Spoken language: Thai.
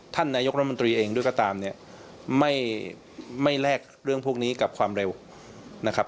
ท่านนายกรัฐมนตรีเองด้วยก็ตามเนี่ยไม่แลกเรื่องพวกนี้กับความเร็วนะครับ